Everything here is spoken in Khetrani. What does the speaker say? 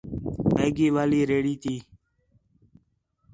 میگی والی ریڑھی تی